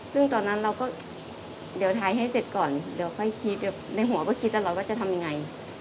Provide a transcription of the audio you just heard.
ซึ่งตอนนั้นเราก็เดี๋ยวถ่ายให้เสร็จก่อนเดี๋ยวค่อยคิดเดี๋ยวในหัวก็คิดตลอดว่าจะทำยังไง